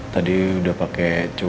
dari bawah aja